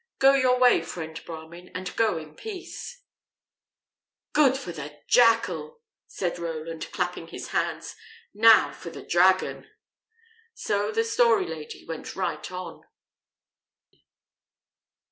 Go your way, friend Brahmin, and go in peace." "Good for the jackal!" said Roland, clapping his hands. "Now for the dragon!" So the Story Lady went right on.